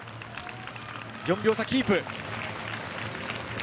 ４秒差キープ。